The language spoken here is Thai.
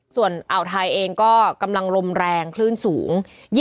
ส่วนอ่าวไทยเองก็กำลังลมแรงคลื่นสูง